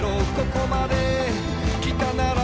「ここまで来たなら」